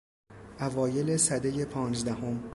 اوایل سدهی پانزدهم